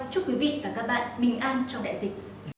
chúc quý vị và các bạn bình an trong đại dịch